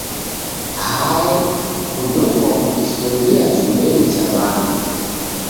Hae, kudokwa kukisungia chumbenyi cha w'andu.